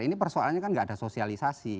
ini persoalannya kan nggak ada sosialisasi